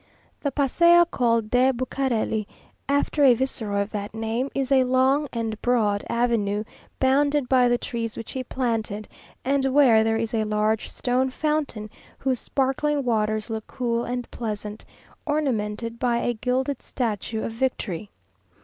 The Paseo called de Bucarelli, after a viceroy of that name, is a long and broad avenue bounded by the trees which he planted, and where there is a large stone fountain, whose sparkling waters look cool and pleasant, ornamented by a gilded statue of Victory.